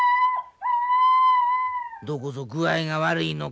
どこぞ具合が悪いのか？